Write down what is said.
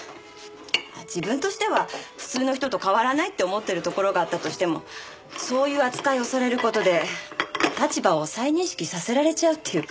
自分としては普通の人と変わらないって思ってるところがあったとしてもそういう扱いをされる事で立場を再認識させられちゃうっていうか。